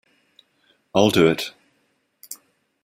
I'll do it.